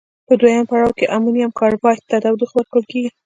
په دویم پړاو کې امونیم کاربامیت ته تودوخه ورکول کیږي.